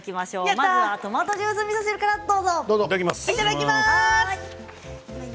まずはトマトジュースみそ汁からどうぞ。